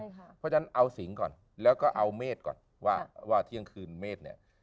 เพราะฉะนั้นเอาสิงก่อนแล้วก็เอาเมฆก่อนว่าเที่ยงคืนเมฆเนี่ย